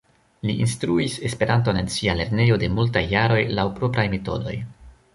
Li instruis Esperanton en sia lernejo de multaj jaroj laŭ propraj metodoj.